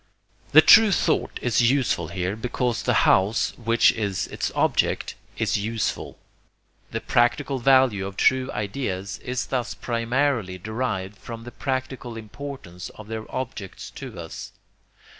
The true thought is useful here because the house which is its object is useful. The practical value of true ideas is thus primarily derived from the practical importance of their objects to us.